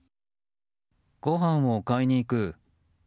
ごはんを買いに行く。